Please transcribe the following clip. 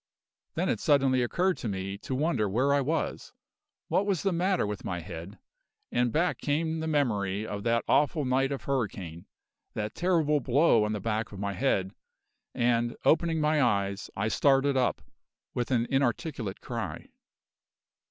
Then it suddenly occurred to me to wonder where I was, what was the matter with my head and back came the memory of that awful night of hurricane that terrible blow on the back of my head and, opening my eyes, I started up, with an inarticulate cry.